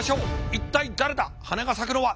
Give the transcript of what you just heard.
一体誰だ花が咲くのは。